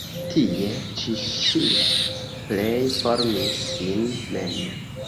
Tie ĉi ŝi plej formis sin mem.